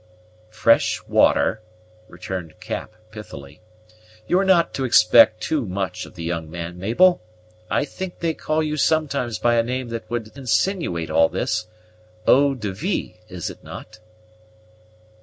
"Fresh water," resumed Cap pithily; "you are not to expect too much of the young man, Mabel. I think they call you sometimes by a name which would insinuate all this: Eau de vie, is it not?"